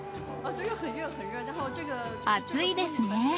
暑いですね。